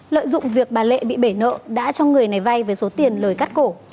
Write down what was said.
lợi dụng việc bà lệ bị bể nợ đã cho người này vay với số tiền lời cắt cổ